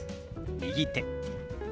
「右手」。